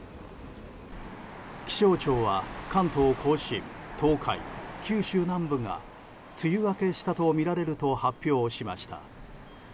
気象庁は、関東・甲信東海、九州南部が梅雨明けしたとみられると発表しました。